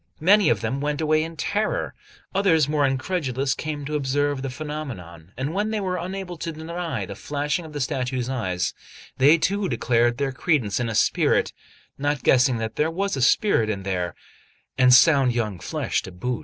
Many of them went away in terror; others, more incredulous, came to observe the phenomenon, and when they were unable to deny the flashing of the statue's eyes, they too declared their credence in a spirit not guessing that there was a spirit there, and sound young flesh to boot.